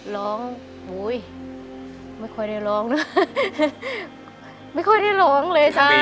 ร้องไม่ค่อยได้ร้องน่ะ